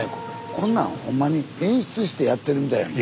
こんなんほんまに演出してやってるみたいやんか。